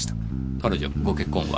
彼女ご結婚は？